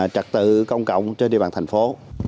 trật tự công cộng trên địa bàn thành phố